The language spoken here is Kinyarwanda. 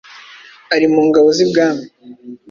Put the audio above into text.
ari mu ngabo z’i bwami